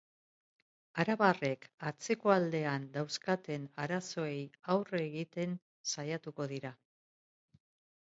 Arabarrek atzeko aldean dauzkaten arazoei aurre egiten saiatuko dira.